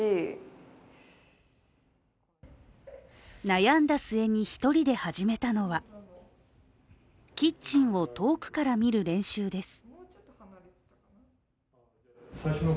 悩んだ末に一人で始めたのは、キッチンを遠くから見る練習です。